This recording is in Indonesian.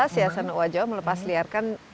siasan owa jawa melepas liarkan